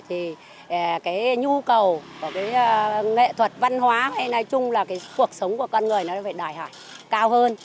thì cái nhu cầu của cái nghệ thuật văn hóa hay nói chung là cái cuộc sống của con người nó phải đòi hỏi cao hơn